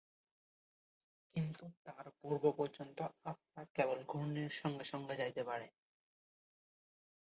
কিন্তু তার পূর্ব পর্যন্ত আত্মা কেবল ঘূর্ণির সঙ্গে সঙ্গেই যাইতে পারে।